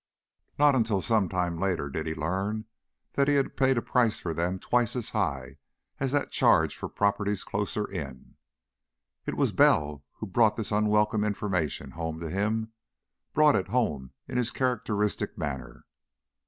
Not until some time later did he learn that he had paid a price for them twice as high as that charged for properties closer in. It was Bell who brought this unwelcome information home to him brought it home in his characteristic manner.